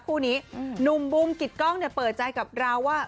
คู่นี้หนุ่มบูมกิดกล้องเปิดใจกับเราว่า